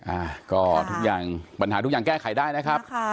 อ่าก็ทุกอย่างปัญหาทุกอย่างแก้ไขได้นะครับค่ะ